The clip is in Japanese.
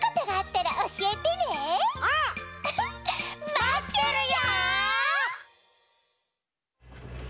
まってるよ！